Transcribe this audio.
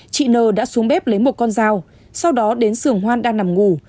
chị nờ đã xuống bếp lấy một con dao sau đó đến sườn hoan đang nằm ngủ